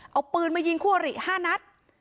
เอาปืนมายิงคั่วหรี่๕นัท